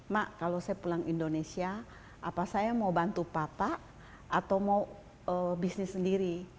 mak kalau saya pulang indonesia apa saya mau bantu papa atau mau bisnis sendiri